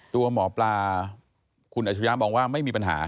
ตัวหมอปลาคุณอัชริยะมองว่าไม่มีปัญหา